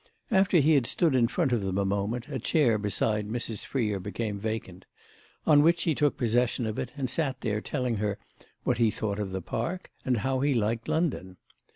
After he had stood in front of them a moment a chair beside Mrs. Freer became vacant; on which he took possession of it and sat there telling her what he thought of the Park and how he liked London.